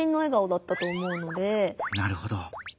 なるほど。